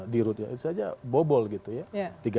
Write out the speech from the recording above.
dirut ya itu saja bobol gitu ya